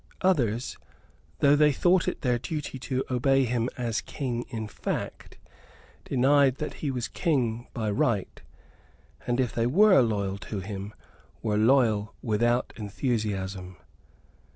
Others, though they thought it their duty to obey him as King in fact, denied that he was King by right, and, if they were loyal to him, were loyal without enthusiasm.